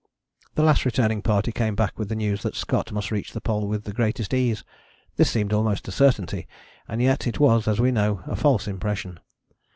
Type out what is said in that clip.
" The Last Returning Party came back with the news that Scott must reach the Pole with the greatest ease. This seemed almost a certainty: and yet it was, as we know now, a false impression.